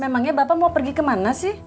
memangnya bapak mau pergi kemana sih